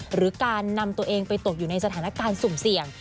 หรือการนำตัวเองไปตกอยู่ในสถานการณ์สุ่มเสี่ยง